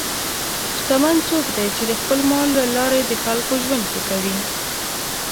شتمن څوک دی چې د خپل مال له لارې د خلکو ژوند ښه کوي.